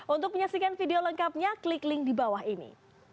untuk menyaksikan video lengkapnya klik link di bawah ini